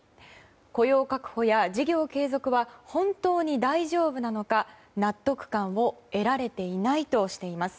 雇用確保や事業継続は本当に大丈夫なのか、納得感を得られていないとしています。